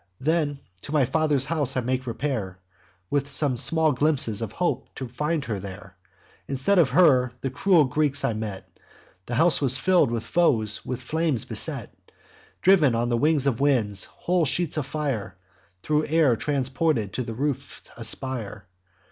Then to my father's house I make repair, With some small glimpse of hope to find her there. Instead of her, the cruel Greeks I met; The house was fill'd with foes, with flames beset. Driv'n on the wings of winds, whole sheets of fire, Thro' air transported, to the roofs aspire.